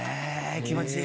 気持ちいい？